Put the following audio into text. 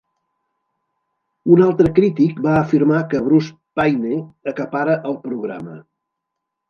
Un altre crític va afirmar que Bruce Payne "acapara el programa".